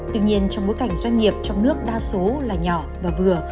tuy nhiên trong bối cảnh doanh nghiệp trong nước đa số là nhỏ và vừa